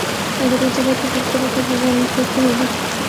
اگر یہ جگہ اتنی خوب صورت ہے تو جنت کیسی ہو گی